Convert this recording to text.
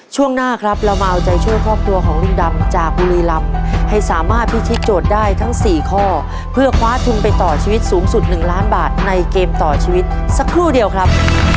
ช่วงหน้าครับเรามาเอาใจช่วยครอบครัวของลุงดำจากบุรีรำให้สามารถพิธีโจทย์ได้ทั้ง๔ข้อเพื่อคว้าทุนไปต่อชีวิตสูงสุด๑ล้านบาทในเกมต่อชีวิตสักครู่เดียวครับ